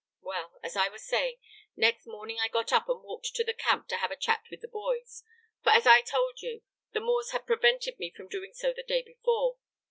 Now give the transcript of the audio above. "Well, as I was saying, next morning I got up and walked to the camp to have a chat with the boys; for, as I have told you, the Moors had prevented me from doing so the day before.